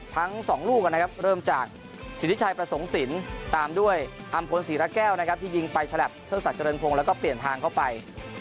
ทั้งสองลูกนะครับเริ่มจากสิทธิชัยประสงค์สินตามด้วยอำพลศรีระแก้วนะครับที่ยิงไปฉลับเทิกษักเจริญพงศ์แล้วก็เปลี่ยนทางเข้าไป